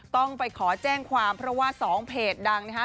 ต้องไปขอแจ้งความเพราะว่า๒เพจดังนะคะ